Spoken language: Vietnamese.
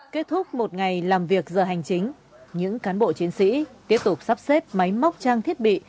kết thúc một ngày làm việc giờ hành chính những cán bộ chiến sĩ tiếp tục sắp xếp máy móc trang thiết bị